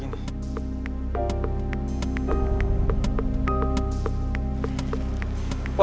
ini ga mereka